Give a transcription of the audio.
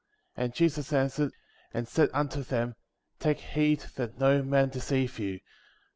5. And Jesus answered, and said unto them : Take heed that no man deceive you ; 6.